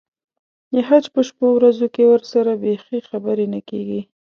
د حج په شپو ورځو کې ورسره بیخي خبرې نه کېږي.